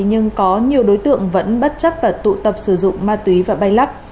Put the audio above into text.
nhưng có nhiều đối tượng vẫn bất chấp và tụ tập sử dụng ma túy và bay lắc